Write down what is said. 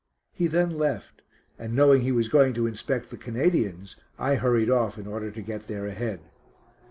He then left, and knowing he was going to inspect the Canadians I hurried off in order to get there ahead.